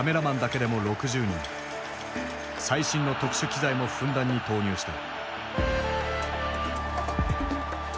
最新の特殊機材もふんだんに投入した。